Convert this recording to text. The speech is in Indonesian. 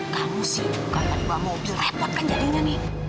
kamu sih kalau dibawa mobil repot kan jadinya nih